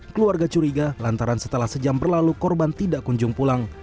keluarga curiga lantaran setelah sejam berlalu korban tidak kunjung pulang